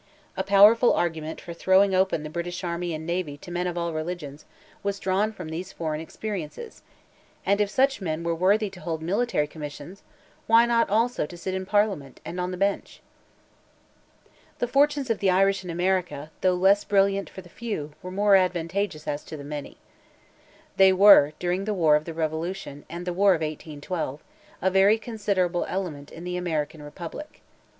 A powerful argument for throwing open the British army and navy to men of all religions, was drawn from these foreign experiences; and, if such men were worthy to hold military commissions, why not also to sit in Parliament, and on the Bench? The fortunes of the Irish in America, though less brilliant for the few, were more advantageous as to the many. They were, during the war of the revolution, and the war of 1812, a very considerable element in the American republic.